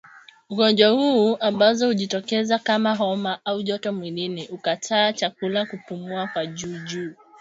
ugonjwa huu ambazo hujitokeza kama homa au joto mwilini kukataa chakula kupumua kwa juujuu